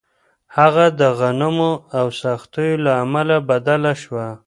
هغه د غمونو او سختیو له امله بدله شوه.